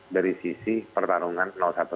dari sisi pertarungan satu dua